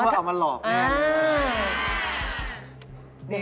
คิดว่าเอามาหลอกเรายังไง